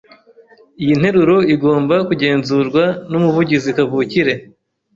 Iyi nteruro igomba kugenzurwa numuvugizi kavukire.